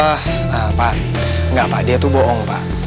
eh nah pak enggak pak dia tuh bohong pak